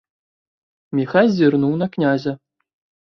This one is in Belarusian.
Міхась зірнуў на князя.